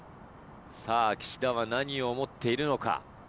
さぁ岸田は何を思っているのか。